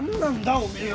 おめえは。